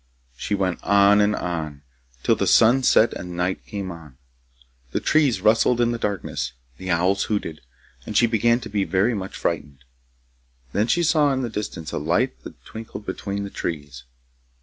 She went on and on, till the sun set and night came on. The trees rustled in the darkness, the owls hooted, and she began to be very much frightened. Then she saw in tile distance a light that twinkled between the trees.